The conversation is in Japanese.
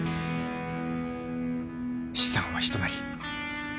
資産は人なり